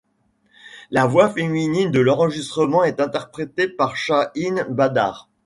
La voix féminine de l'enregistrement est interprétée par Shahin Badar.